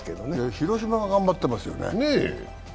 広島が頑張ってますよね。